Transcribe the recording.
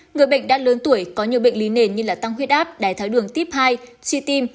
người bệnh đã lớn tuổi có nhiều bệnh lý nền như tăng huyết áp đài thái đường tiếp hai suy tim